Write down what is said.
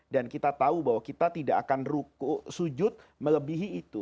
dan kita tahu bahwa kita tidak akan ruku sujud melebihi itu